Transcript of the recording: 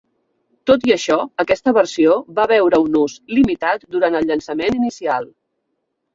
Tot i això, aquesta versió va veure un ús limitat durant el llançament inicial.